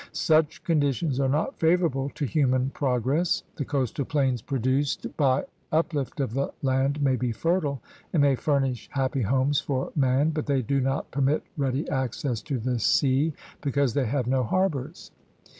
Such conditions are not favorable to human progress. The coastal plains produced by uplift of the land may be fertile and may furnish happy homes for man, but they do not permit ready access to the sea because they have no harbors.